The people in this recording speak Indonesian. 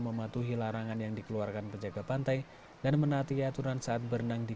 mematuhi larangan yang dikeluarkan penjaga pantai dan menaati aturan saat berenang di